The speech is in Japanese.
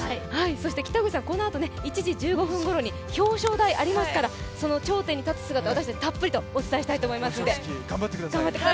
北口さん、このあと１時１５分ごろに表彰台ありますからその頂点に立つ姿、私たちもたっぷりお伝えしたいと思いますので。